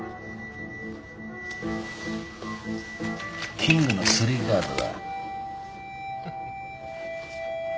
キングのスリーカードだ。